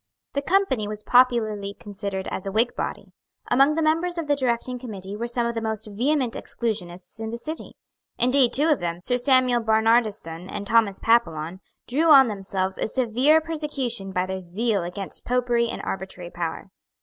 The Company was popularly considered as a Whig body. Among the members of the directing committee were some of the most vehement Exclusionists in the City. Indeed two of them, Sir Samuel Barnardistone and Thomas Papillon, drew on themselves a severe persecution by their zeal against Popery and arbitrary power.